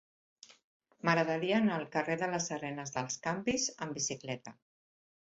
M'agradaria anar al carrer de les Arenes dels Canvis amb bicicleta.